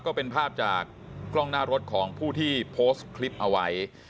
ก็เป็นภาพจากกล้องหน้ารถของผู้ที่โพสต์คลิปเอาไว้